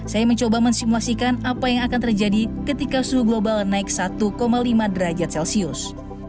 saya mencoba mensimulasikan apa yang akan terjadi ketika suhu global naik satu lima derajat celcius